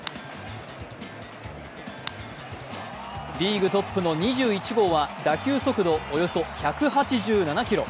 リーグトップの２１号は打球速度およそ１８７キロ。